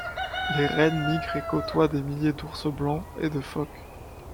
Les rennes migrent et côtoient des milliers d'ours blancs et de phoques.